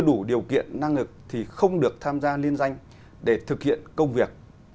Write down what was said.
khi chưa đủ điều kiện năng lực thì không được tham gia liên doanh để thực hiện công việc